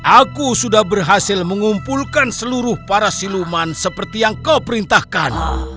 aku sudah berhasil mengumpulkan seluruh para siluman seperti yang kau perintahkan